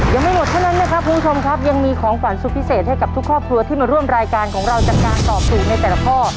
ยังไม่หมดเท่านั้นนะครับคุณผู้ชมครับยังมีของขวัญสุดพิเศษให้กับทุกครอบครัวที่มาร่วมรายการของเราจากการตอบถูกในแต่ละข้อ